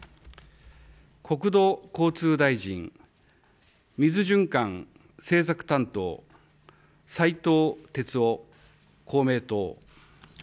国土交通大臣、水循環政策担当、斉藤鉄夫、公明党。